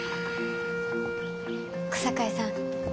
小堺さん